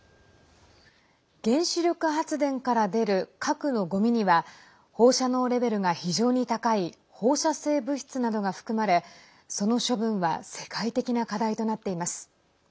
原子力発電から出る核のごみには放射能レベルが非常に高い放射性物質などが含まれその処分は世界的な課題となっています。